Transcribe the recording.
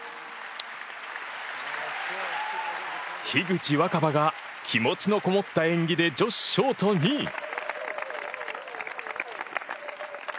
樋口新葉が気持ちのこもった演技で女子ショート２位。